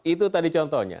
itu tadi contohnya